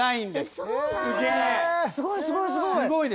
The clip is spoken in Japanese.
すごいすごいすごい！